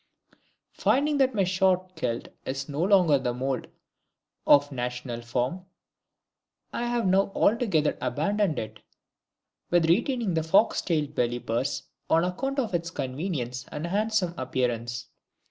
Finding that my short kilt is no longer the mould of national form, I have now altogether abandoned it, while retaining the fox tailed belly purse on account of its convenience and handsome appearance.